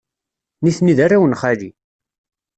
Nitni d arraw n xali.